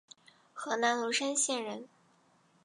河南罗山县人。